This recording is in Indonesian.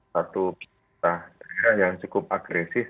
satu perusahaan daerah yang cukup agresif